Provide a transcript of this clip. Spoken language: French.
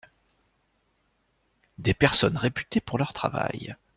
Des personnes réputées pour leur travail.